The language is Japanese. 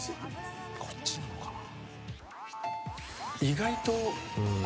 こっちなのかな？